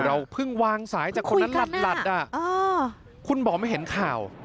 เราพึ่งวางสายจากคนนั้นลัดคุณบอมเห็นข่าว